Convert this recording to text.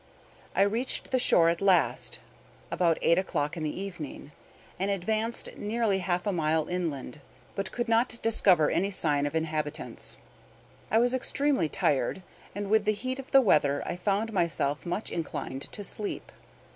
I reached the shore at last, about eight o'clock in the evening, and advanced nearly half a mile inland, but could not discover any sign of inhabitants. I was extremely tired, and with the heat of the weather I found myself much inclined to sleep.